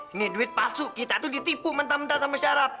ini duit palsu kita itu ditipu mentah mentah sama syarat